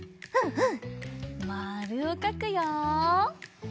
うん。